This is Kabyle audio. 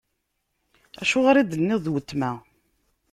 Acuɣer i d-tenniḍ: D weltma?